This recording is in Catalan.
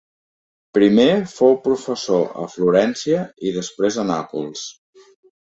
Primer fou professor a Florència i després a Nàpols.